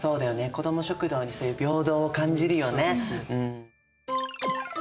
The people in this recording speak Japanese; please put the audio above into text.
子ども食堂に平等を感じるよね。